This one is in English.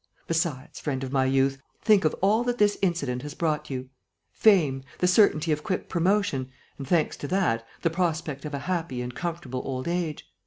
Besides, friend of my youth, think of all that this incident has brought you: fame, the certainty of quick promotion and, thanks to that, the prospect of a happy and comfortable old age!